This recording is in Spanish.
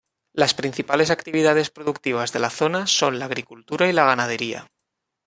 Las principales actividades productivas de la zona son la agricultura y la ganadería.